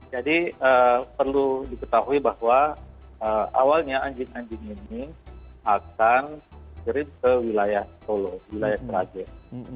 jadi perlu diketahui bahwa awalnya anjing anjing ini akan dirin ke wilayah solo wilayah kerajaan